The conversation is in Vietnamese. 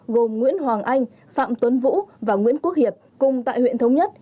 gồm nguyễn hoàng anh phạm tuấn vũ và nguyễn quốc hiệp cùng tại huyện thống nhất